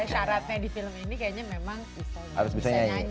syaratnya di film ini kayaknya memang bisa nyanyi